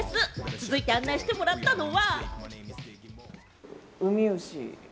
続いて案内してもらったのが。